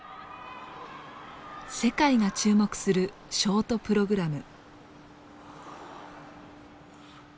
世界が注目するショートプログラム。